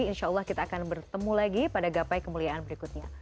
insya allah kita akan bertemu lagi pada gapai kemuliaan berikutnya